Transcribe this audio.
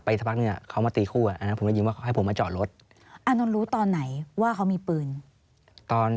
เพื่อเขาไม่สิ่งที่มีปืน